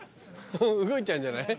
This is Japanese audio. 動いちゃうんじゃない？